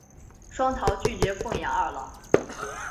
双桃拒绝奉养二老。